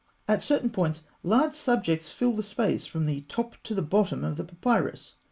At certain points, large subjects fill the space from top to bottom of the papyrus.